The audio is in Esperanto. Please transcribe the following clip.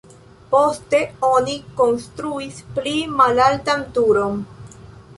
Poste oni konstruis pli malaltan turon.